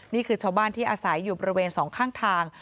นี่คือชาวบ้านที่อาศัยอยู่บริเวณสองข้างทาง